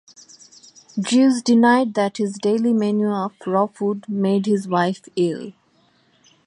Drews denied that his daily menu of raw food made his wife ill.